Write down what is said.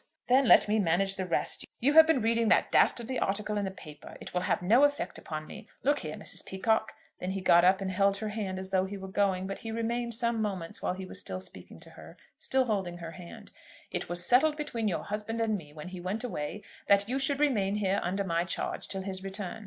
"Then let me manage the rest. You have been reading that dastardly article in the paper. It will have no effect upon me. Look here, Mrs. Peacocke;" then he got up and held her hand as though he were going, but he remained some moments while he was still speaking to her, still holding her hand; "it was settled between your husband and me, when he went away, that you should remain here under my charge till his return.